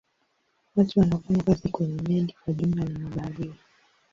Watu wanaofanya kazi kwenye meli kwa jumla ni mabaharia.